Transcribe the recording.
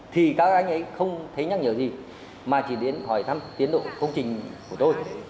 thì các anh ấy không thấy nhắc nhở gì mà chỉ đến hỏi thăm tiến độ công trình của tôi